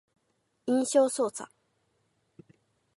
印象操作